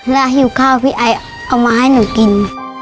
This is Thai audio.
แล้วหิวข้าวพี่ไอเอามาให้หนูกิน